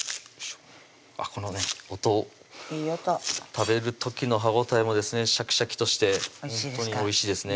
あっこのね音いい音食べる時の歯応えもですねシャキシャキとしてほんとにおいしいですね